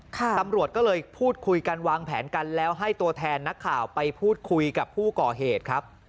ตำรวจก็เลยพูดคุยกันวางแผนกันแล้วให้ตัวแทนนักข่าวไปพูดคุยกับผู้ก่อเหตุครับ